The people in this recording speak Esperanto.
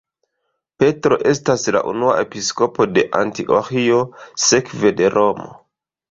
Petro estas la unua episkopo de Antioĥio sekve de Romo.